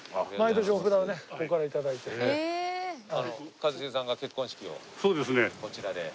一茂さんが結婚式をこちらで。